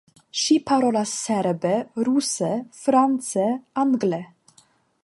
Ŝi parolas serbe, ruse, france, angle.